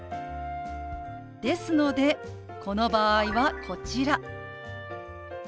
ですのでこの場合はこちら。